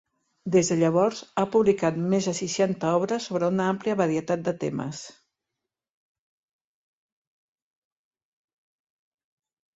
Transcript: Des de llavors, ha publicat més de seixanta obres sobre una àmplia varietat de temes.